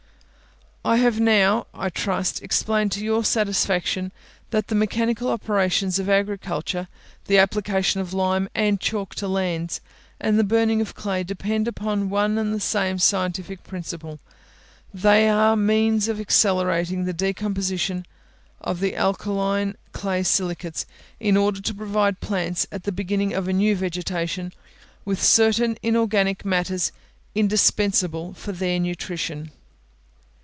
I have now, I trust, explained to your satisfaction, that the mechanical operations of agriculture the application of lime and chalk to lands, and the burning of clay depend upon one and the same scientific principle: they are means of accelerating the decomposition of the alkaline clay silicates, in order to provide plants, at the beginning of a new vegetation, with certain inorganic matters indispensable for their nutrition.